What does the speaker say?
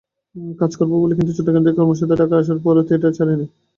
কাজ করব বলেই কিন্তু চট্টগ্রাম থেকে কর্মসূত্রে ঢাকায় আসার পরেও থিয়েটার ছাড়িনি।